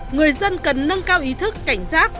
người dân cần nâng cao ý thức cảnh giác